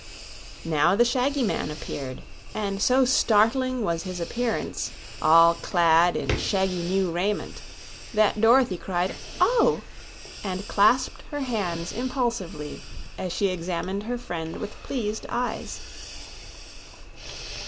Now the shaggy man appeared, and so startling was his appearance, all clad in shaggy new raiment, that Dorothy cried "Oh!" and clasped her hands impulsively as she examined her friend with pleased eyes.